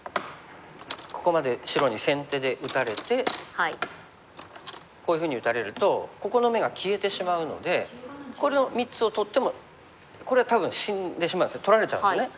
ここまで白に先手で打たれてこういうふうに打たれるとここの眼が消えてしまうのでこの３つを取ってもこれは多分死んでしまうんです取られちゃうんですね。